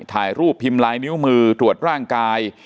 ถ่ายรูปพิมพ์ลายนิ้วมือตรวจร่างกาย